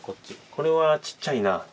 これはちっちゃいな。